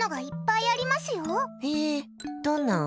へえ、どんなん？